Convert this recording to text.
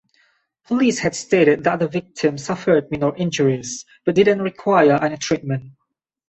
Police had stated that the victim suffered minor injuries but didn't require any treatment.